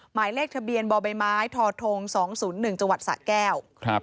หมายเลขทะเบียนบบทท๒๐๑จศแก้ว